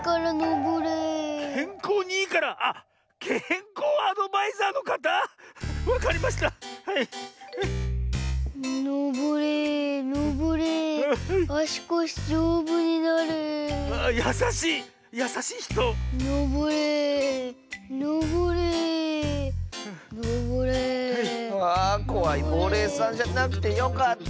ぼうれいさんじゃなくてよかった！